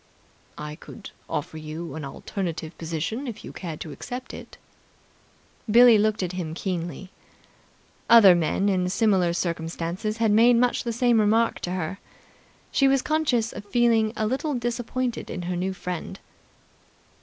"I could offer you an alternative position, if you cared to accept it." Billie looked at him keenly. Other men in similar circumstances had made much the same remark to her. She was conscious of feeling a little disappointed in her new friend.